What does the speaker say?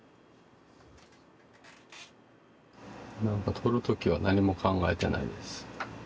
撮る時は何も考えてないです。